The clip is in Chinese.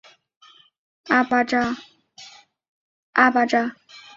阿巴扎。